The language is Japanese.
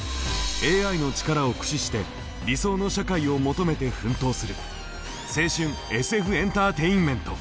ＡＩの力を駆使して理想の社会を求めて奮闘する青春ＳＦエンターテインメント！